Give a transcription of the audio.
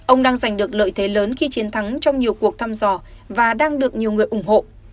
ông đang giành được lợi thế lớn khi chiến thắng trong nhiều cuộc thăm dò và đang được nhiều người ủng hộ